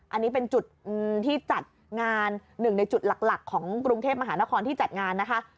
อันนี้เป็นจุดที่จัดงานหนึ่งในจุดหลักของกรุงเทพมหานครที่จัดงานนะคะ